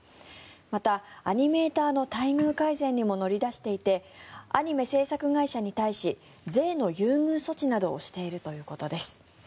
また、アニメーターの待遇改善にも乗り出していてアニメ制作会社に対し税の優遇措置などをしているということです。